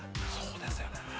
そうですよね